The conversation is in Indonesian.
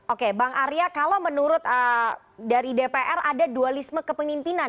oke bang arya kalau menurut dari dpr ada dualisme kepemimpinan